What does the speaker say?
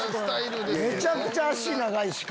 めちゃくちゃ脚長いし。